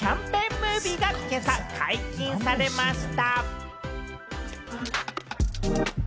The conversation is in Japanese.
ムービーが今朝、解禁されました。